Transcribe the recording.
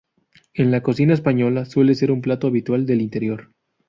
En la cocina española suele ser un plato habitual del interior.